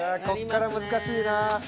こっから難しいな。